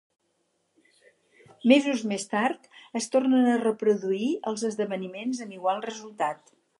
Mesos més tard es tornen a reproduir els esdeveniments amb igual resultat.